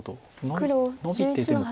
黒１１の八。